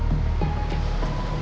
aku gak bisa berhenti